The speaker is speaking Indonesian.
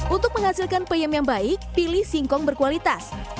untuk menghasilkan peyem yang baik pilih singkong berkualitas